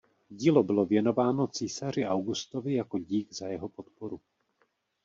Dílo bylo věnováno císaři Augustovi jako dík za jeho podporu.